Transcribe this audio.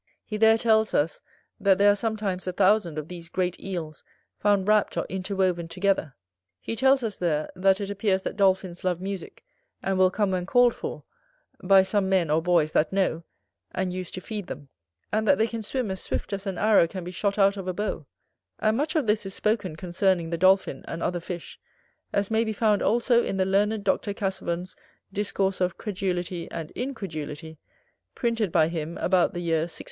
He there tells us, that there are sometimes a thousand of these great Eels found wrapt or interwoven together He tells us there, that it appears that dolphins love musick, and will come when called for, by some men or boys that know, and use to feed them; and that they can swim as swift as an arrow can be shot out of a bow; and much of this is spoken concerning the dolphin, and other fish, as may be found also in the learned Dr. Casaubon's Discourse of Credulity and Incredulity, printed by him about the year 1670.